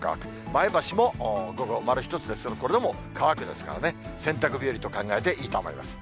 前橋も午後丸１つですけれども、これでも乾くですからね、洗濯日和と考えていいと思います。